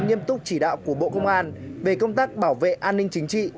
nghiêm túc chỉ đạo của bộ công an về công tác bảo vệ an ninh chính trị